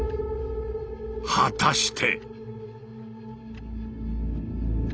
果たして。